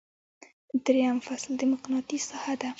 دریم فصل د مقناطیس ساحه ده.